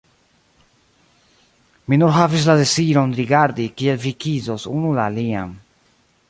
Mi nur havis la deziron rigardi, kiel vi kisos unu la alian.